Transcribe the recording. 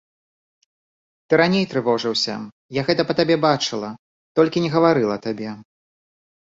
Ты раней трывожыўся, я гэта па табе бачыла, толькі не гаварыла табе.